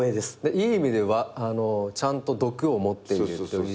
いい意味ではちゃんと毒を持っているというか。